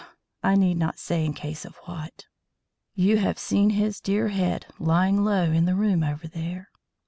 I need not say in case of what. You have seen his dear head lying low in the room over there.